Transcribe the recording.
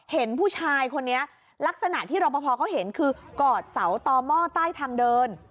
เห็นผู้ชายคนนี้ลักษณะที่รอปภเขาเห็นคือกอดเสาต่อหม้อใต้ทางเดิน